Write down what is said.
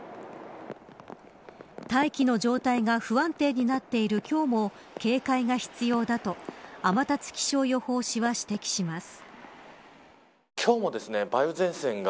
大気の状態が不安定になっている今日も警戒が必要だと天達気象予報士は指摘します。